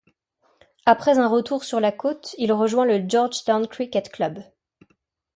Après un retour sur la côte, il rejoint le Georgetown Cricket Club.